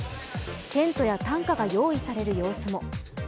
テントや担架が用意される様子も。